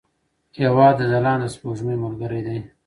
هېواد د ځلانده سپوږمۍ ملګری دی.